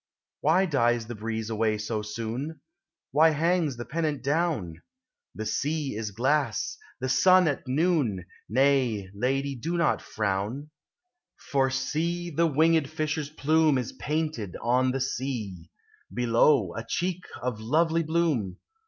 Why dies the breeze away so soon? Why hangs the pennant down? The sea is glass; the sun at noon. Nay, lady, do not frown ; 1U POEMS OF XATURJb. For, see, the winged fisher's plume Is painted on the sea ; Below, a cheek of lovely bloom.